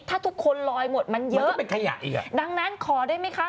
ถ้าทุกคนลอยหมดมันเยอะมันก็เป็นขยะอีกอ่ะดังนั้นขอได้ไหมคะ